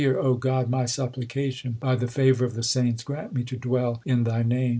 Saith Nanak, hear, O God, my supplication By the favour of the saints, grant me to dwell in Thy name.